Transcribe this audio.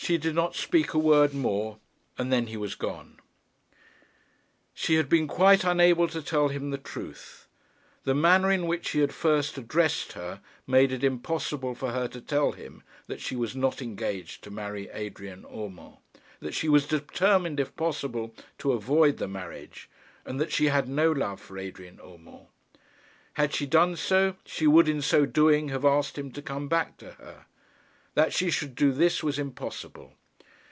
She did not speak a word more, and then he was gone! She had been quite unable to tell him the truth. The manner in which he had first addressed her made it impossible for her to tell him that she was not engaged to marry Adrian Urmand, that she was determined, if possible, to avoid the marriage, and that she had no love for Adrian Urmand. Had she done so, she would in so doing have asked him to come back to her. That she should do this was impossible.